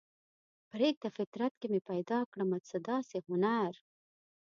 پریږده فطرت کې مې پیدا کړمه څه داسې هنر